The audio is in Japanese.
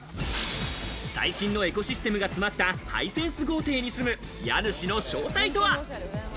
最新のエコシステムが詰まったハイセンス豪邸に住む家主の正体とは？